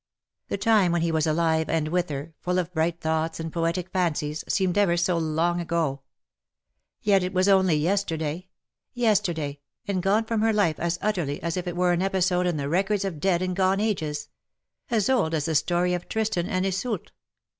The time when he was alive and with her, full of bright thoughts and poetic fancies, seemed ever so long ago. Yet it was only yesterday —*^ YOURS ON MONDAY, GOD's TO DAY." 33 yesterday, and gone frona her life as utterly as if it were an episode in the records of dead and gone ages — as old as the story of Tristan and Iseult.